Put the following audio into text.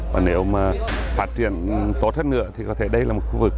và nếu mà phát triển tốt hơn nữa thì có thể đây là một khu vực